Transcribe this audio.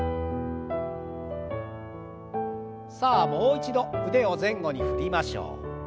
さあもう一度腕を前後に振りましょう。